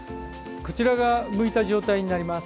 こちらが、むいた状態になります。